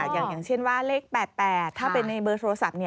อย่างเช่นว่าเลข๘๘ถ้าเป็นในเบอร์โทรศัพท์